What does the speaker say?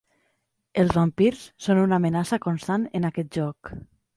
Els vampirs són una amenaça constant en aquest joc.